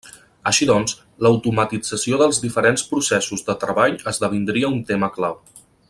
Així doncs, l'automatització dels diferents processos de treball esdevendria un tema clau.